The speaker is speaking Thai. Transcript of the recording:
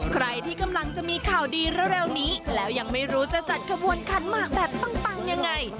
ใครที่กำลังจะมีข่าวดีเร็วนี้แล้วยังไม่รู้จะจัดขบวนขันหมากแบบปังยังไง